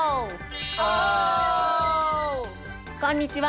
こんにちは。